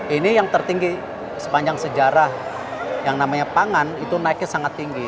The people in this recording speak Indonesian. ini yang tertinggi sepanjang sejarah yang namanya pangan itu naiknya sangat tinggi